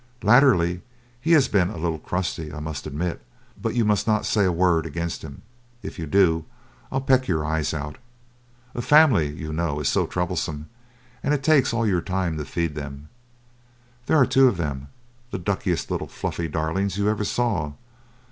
Latterly he has been a little crusty, I must admit; but you must not say a word against him. If you do, I'll peck your eyes out. A family, you know, is so troublesome, and it takes all your time to feed them. There are two of them, the duckiest little fluffy darlings you ever saw.